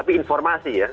itu informasi ya